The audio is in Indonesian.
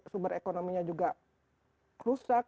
sumber ekonominya juga rusak